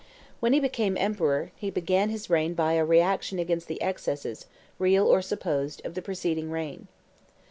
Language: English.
When he became emperor, he began his reign by a reaction against the excesses, real or supposed, of the preceding reign.